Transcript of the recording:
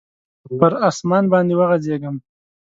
پر اسمان باندي وغځیږم